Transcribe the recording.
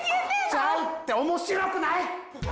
ちゃうって面白くない！